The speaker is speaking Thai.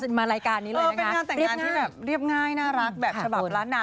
เป็นงานแต่งงานที่เรียบง่ายน่ารักแบบฉบับร้านนาน